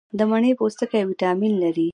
د مڼې پوستکي ویټامین لري.